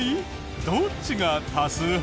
どっちが多数派？